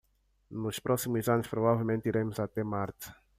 Nos próximos anos, provavelmente iremos até Marte.